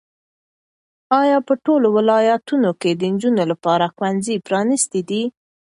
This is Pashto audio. ایا په ټولو ولایتونو کې د نجونو لپاره ښوونځي پرانیستي دي؟